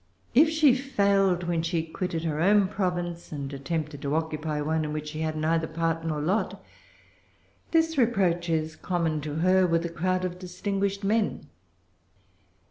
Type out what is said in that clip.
If she failed when she quitted her own province, and attempted to occupy one in which she had neither part nor lot, this reproach is common to her with a crowd of distinguished men.